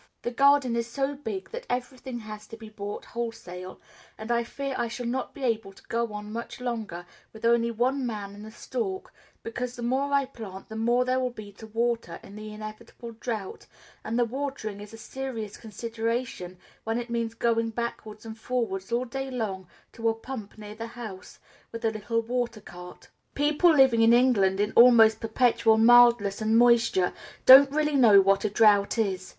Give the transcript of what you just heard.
The garden is so big that everything has to be bought wholesale; and I fear I shall not be able to go on much longer with only one man and a stork, because the more I plant the more there will be to water in the inevitable drought, and the watering is a serious consideration when it means going backwards and forwards all day long to a pump near the house, with a little water cart. People living in England, in almost perpetual mildness and moisture, don't really know what a drought is.